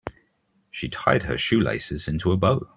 She tied her shoelaces into a bow.